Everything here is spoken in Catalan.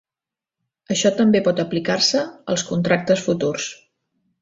Això també pot aplicar-se als contractes futurs.